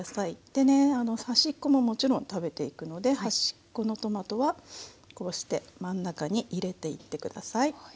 でね端っこももちろん食べていくので端っこのトマトはこうして真ん中に入れていって下さい。